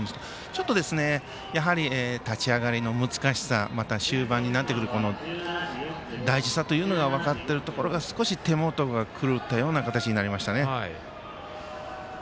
ちょっと、立ち上がりの難しさまた終盤になってくる大事さというのが分かってるところが少し手元が狂ったような形になりましたね。